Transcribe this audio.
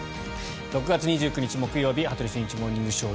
６月２９日、木曜日「羽鳥慎一モーニングショー」。